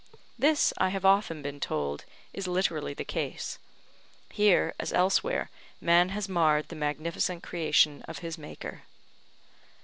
This, I have often been told, is literally the case. Here, as elsewhere, man has marred the magnificent creation of his Maker.